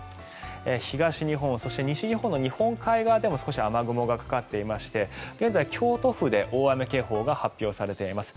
東日本そして西日本の日本海側でも少し雨雲がかかっていまして現在、京都府で大雨警報が発表されています。